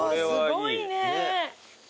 すごいね。